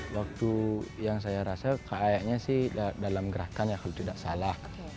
waktu yang saya rasa kayaknya sih dalam gerakan ya kalau tidak salah